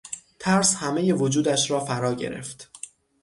ترس همهی وجودش را فرا گرفت.